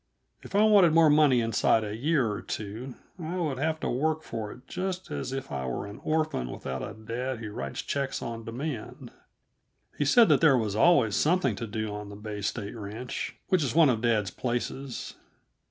If I wanted more money inside a year or two, I would have to work for it just as if I were an orphan without a dad who writes checks on demand. He said that there was always something to do on the Bay State Ranch which is one of dad's places.